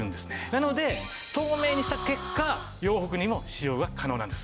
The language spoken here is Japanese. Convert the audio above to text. なので透明にした結果洋服にも使用が可能なんです。